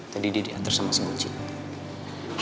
tadi dia diatur sama seorang cinta